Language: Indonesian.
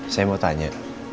saya mau tanya